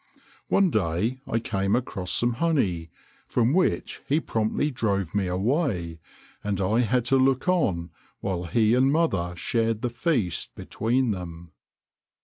One day I came across some honey, from which he promptly drove me away, and I had to look on while he and mother shared the feast between them.